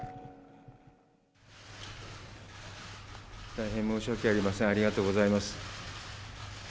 大変申し訳ありません、ありがとうございます。